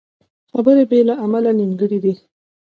خبرې بې له عمله نیمګړې دي